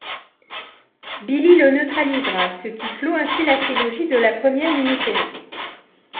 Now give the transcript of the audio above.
Billy le neutralisera ce qui clos ainsi la trilogie de la première mini-série.